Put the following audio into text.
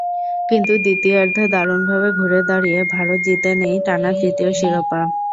কিন্তু দ্বিতীয়ার্ধে দারুণভাবে ঘুরে দাঁড়িয়ে ভারত জিতে নেয় টানা তৃতীয় শিরোপা।